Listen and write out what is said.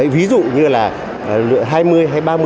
ví dụ như là hai mươi hay ba mươi